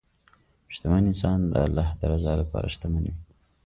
شتمن انسان د الله د رضا لپاره شتمن وي.